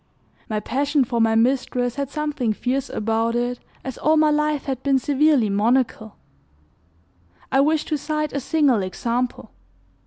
My passion for my mistress had something fierce about it, as all my life had been severely monachal. I wish to cite a single example.